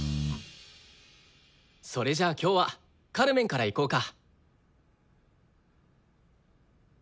それじゃあ今日は「カルメン」からいこうか。